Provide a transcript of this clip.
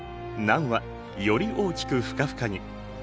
ナンはより大きくふかふかに。